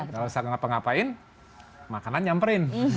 kalau saya ngapa ngapain makanan nyamperin